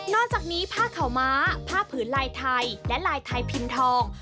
จากนี้ผ้าข่าวม้าผ้าผืนลายไทยและลายไทยพิมพ์ทอง